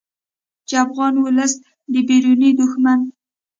چې افغان ولس د بیروني دښمن